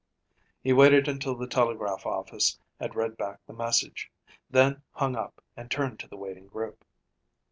He waited until the telegraph office had read back the message, then hung up and turned to the waiting group.